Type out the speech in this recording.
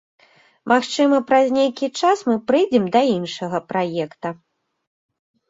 Магчыма, праз нейкі час мы прыйдзем да іншага праекта.